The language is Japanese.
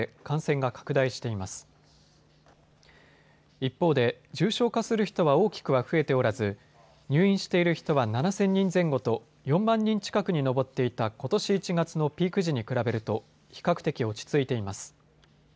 一方で重症化する人は大きくは増えておらず入院している人は７０００人前後と４万人近くに上っていたことし１月のピーク時に比べると比較的、落ち着いています。